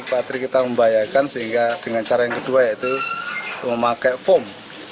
patri kita membahayakan sehingga dengan cara yang kedua yaitu memakai foam